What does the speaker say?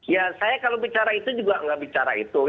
ya saya kalau bicara itu juga nggak bicara itu